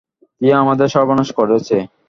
কেউ আমাদের সর্বনাশ করেছে।